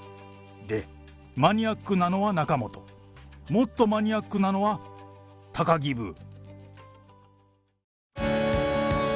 で、マニアックなのは仲本、もっとマニアックなのは、高木ブー。